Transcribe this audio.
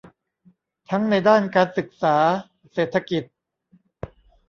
ทั้งในด้านการศึกษา เศรษฐกิจ